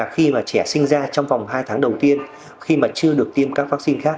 khi mà trẻ sinh ra trong vòng hai tháng đầu tiên khi mà chưa được tiêm các vaccine khác